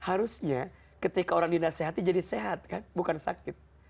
harusnya ketika orang dinasehati jadi sehat kan bukan sakit